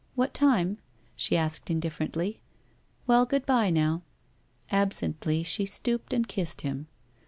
What time ?' she asked in differently. 'Well, good bye now.' Absently she stooped and kissed him.